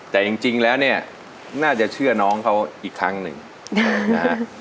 แต่จริงแล้วเนี่ยน่าจะเชื่อน้องเขาอีกครั้งหนึ่งนะฮะ